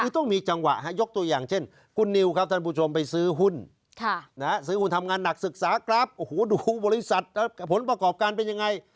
คือต้องมีจังหวะยกตัวอย่างเช่นคุณนิวครับท่านผู้ชมไปซื้อหุ้นซื้อหุ้นทำงานหนักศึกษากราฟโอ้โหดูบริษัทผลประกอบการเป็นยังไง